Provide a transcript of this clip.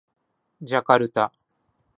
ジャカルタ